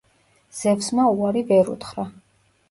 ზევსმა უარი ვერ უთხრა.